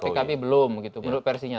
pkb belum gitu menurut versinya